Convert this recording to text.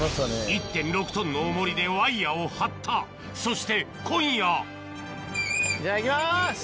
１．６ｔの重りでワイヤを張ったそして今夜じゃあいきます！